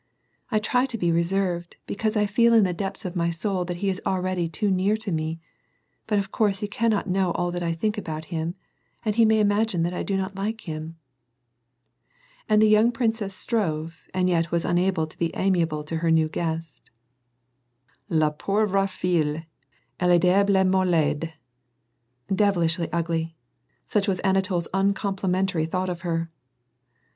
" I try to be reserved, because I feel in the depths of my soul that he is alreatly too near to me ; but of course, he cannot know all that I think about him, and he may imagine that I do not like him." And the young princess strove, and yet was unable to be amiable to her new guest. " La pauvre fille ! EUe est diableinent laide !''— Devilishly ugly ! Such was Anatol's uncomplimentary thought of her.